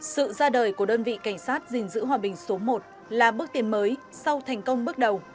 sự ra đời của đơn vị cảnh sát gìn giữ hòa bình số một là bước tiến mới sau thành công bước đầu